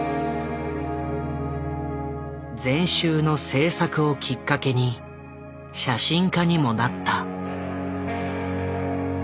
全集の制作をきっかけに写真家にもなった。